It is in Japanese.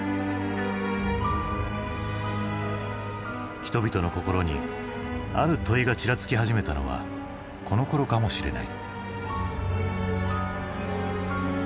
人々の心にある問いがちらつき始めたのはこのころかもしれない。